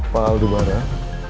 pak al di barat